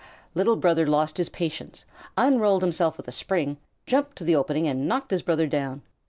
Little Brother lost his patience, unrolled himself with a spring, jumped to the opening, and knocked his brother down.